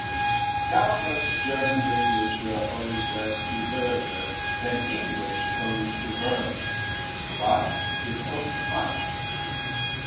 Doubtless German literature owes less to Bürger than English owes to Burns, but it owes much.